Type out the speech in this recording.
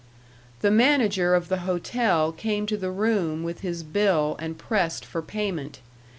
The manager of the hotel came to the room with his bill and pressed for payment.